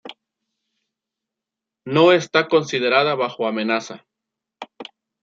No está considerada bajo amenaza.